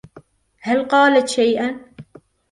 هل قالت شيئا؟